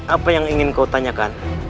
apa yang ingin kau tanyakan